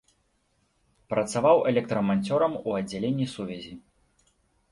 Працаваў электраманцёрам у аддзяленні сувязі.